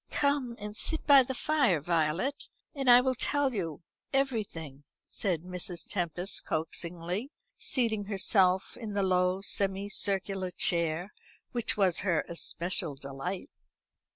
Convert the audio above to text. "Come and sit by the fire, Violet, and I will tell you everything," said Mrs. Tempest coaxingly, seating herself in the low semi circular chair which was her especial delight.